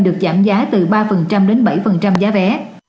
được giảm giá từ ba đến bảy giá vé